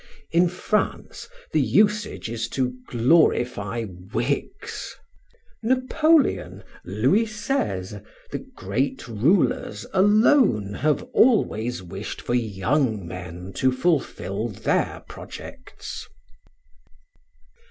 In France the usage is to glorify wigs. Napoleon, Louis XVI., the great rulers, alone have always wished for young men to fulfil their projects.